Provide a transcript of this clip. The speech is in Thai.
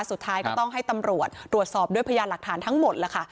สุดท้ายก็ต้องให้ตำรวจตรวจสอบด้วยพยานหลักฐานทั้งหมดล่ะค่ะ